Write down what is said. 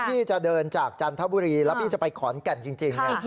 พี่จะเดินจากจันทบุรีแล้วพี่จะไปขอนแก่นจริง